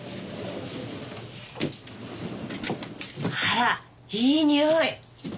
あらいい匂い。